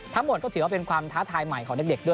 ทั้งหมดก็ถือว่าเป็นความท้าทายใหม่ของเด็กด้วย